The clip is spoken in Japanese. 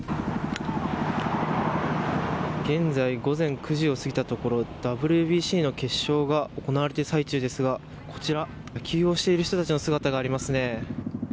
現在、午前９時を過ぎたところＷＢＣの決勝が行われている最中ですがこちら、野球をしている人たちの姿がありま